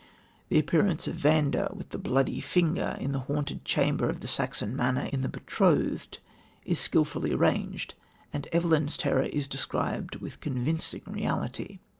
The appearance of Vanda with the Bloody Finger in the haunted chamber of the Saxon manor in The Betrothed is skilfully arranged, and Eveline's terror is described with convincing reality.